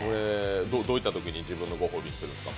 どういったときに自分のご褒美するんですか？